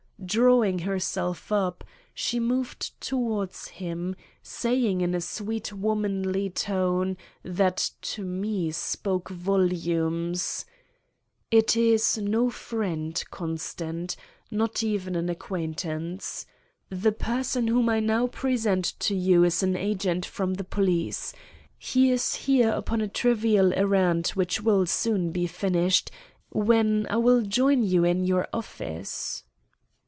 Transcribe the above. Drawing herself up, she moved towards him, saying in a sweet womanly tone that to me spoke volumes: "It is no friend, Constant, not even an acquaintance. The person whom I now present to you is an agent from the police. He is here upon a trivial errand which will be soon finished, when I will join you in your office."